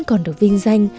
còn được vinh danh